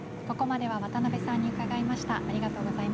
ここまで渡辺さんに伺いました。